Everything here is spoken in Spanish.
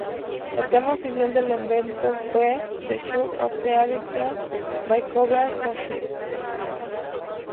El tema oficial del evento fue ""The Church of Hot Addiction"" by Cobra Starship.